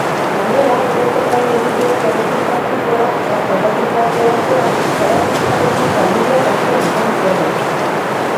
Gainera, ikerketaren egileek erregistratzerakoan erabilitako posta helbidea kontuan izan dute ere.